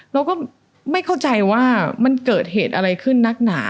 เราก็ไม่เข้าใจว่ามันเกิดเหตุอะไรขึ้นนักหนา